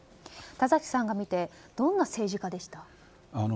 田崎さんが見てどんな政治家でした。